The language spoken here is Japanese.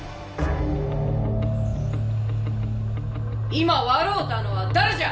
今笑うたのは誰じゃ。